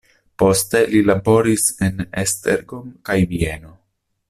Poste li laboris en Esztergom kaj Vieno.